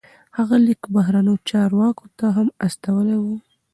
هغه لیک بهرنیو چارواکو ته هم استولی و.